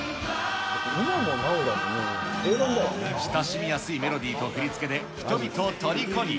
親しみやすいメロディーと振り付けで人々をとりこに。